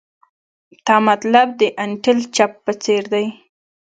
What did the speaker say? تا مطلب د انټیل چپ په څیر دی